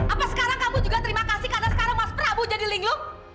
apa sekarang kamu juga terima kasih karena sekarang mas prabu jadi linglu